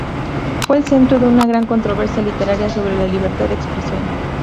Fue el centro de una gran controversia literaria sobre la libertad de expresión.